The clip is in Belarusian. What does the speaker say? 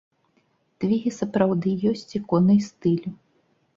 Твігі сапраўды ёсць іконай стылю.